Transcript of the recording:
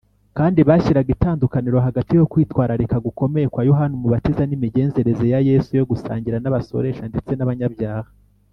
kandi bashyiraga itandukaniro hagati yo kwitwararika gukomeye kwa yohana umubatiza n’imigenzereze ya yesu yo gusangira n’abasoresha ndetse n’abanyabyaha